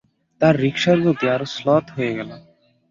তার রিকশার গতি আরো শ্লথ হয়ে গেল।